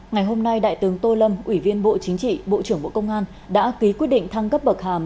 ngày hôm nay đại tướng tô lâm ủy viên bộ chính trị bộ trưởng bộ công an đã ký quyết định thăng cấp bậc hàm